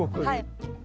はい。